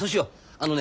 あのね